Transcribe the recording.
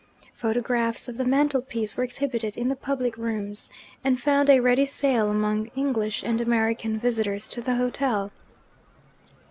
Photographs of the mantel piece were exhibited in the public rooms, and found a ready sale among English and American visitors to the hotel.